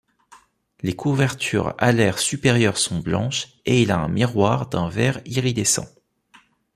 Les couvertures alaires supérieures sont blanches et il a un miroir d'un vert iridescent.